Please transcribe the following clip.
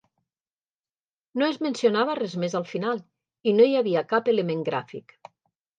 No es mencionava res més al final i no havia cap element gràfic.